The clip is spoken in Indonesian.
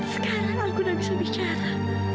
sekarang aku udah bisa bicara